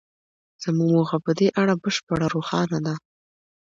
زموږ موخه په دې اړه بشپړه روښانه ده